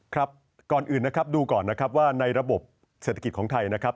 ครับก่อนอื่นนะครับดูก่อนนะครับว่าในระบบเศรษฐกิจของไทยนะครับ